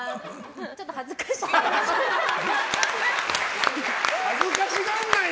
ちょっと恥ずかしい。